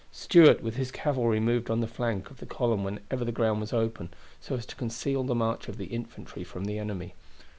Stuart with his cavalry moved on the flank of the column whenever the ground was open, so as to conceal the march of the infantry from the enemy.